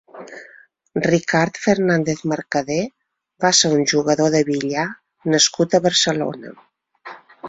Ricard Fernández Mercadé va ser un jugador de billar nascut a Barcelona.